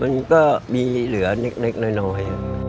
มันก็มีเหลือเล็กน้อย